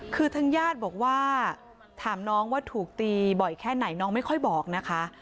คือทางญาติบอกว่าถามน้องว่าถูกตีบ่อยแค่ไหนน้องไม่ค่อยบอกนะคะ